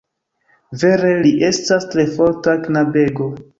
Vere li estas tre forta knabego.